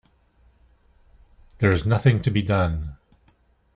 There is nothing to be done.